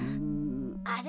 あれ？